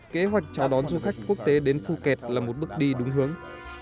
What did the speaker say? kế hoạch chào đón du khách quốc tế đến phuket là một bước đi đúng hướng